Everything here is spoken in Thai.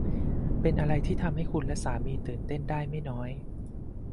เป็นอะไรที่ทำให้คุณและสามีตื่นเต้นได้ไม่น้อย